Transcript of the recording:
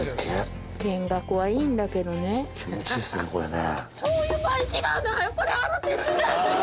気持ちいいですねこれね。